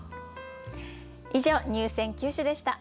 以上入選九首でした。